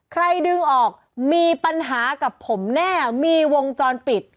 ใครดึงออกมีปัญหากับผมแน่มีวงจรปิด